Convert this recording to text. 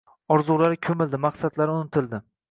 Orzulari koʻmildi, maqsadlari unutildi